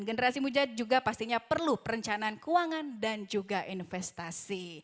generasi muda juga pastinya perlu perencanaan keuangan dan juga investasi